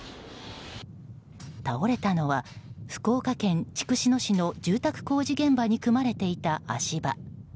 倒れたのは福岡県筑紫野市の住宅工事現場に組まれていた足場。